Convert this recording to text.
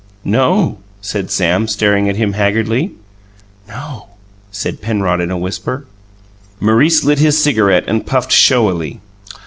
"No," said Sam, staring at him haggardly. "No," said Penrod in a whisper. Maurice lit his cigarette and puffed showily.